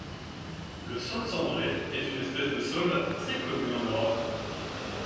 Le Saule cendré est une espèce de Saule très commune en Europe.